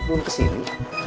belum ke sini